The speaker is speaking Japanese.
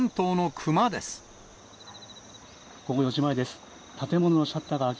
午後４時前です。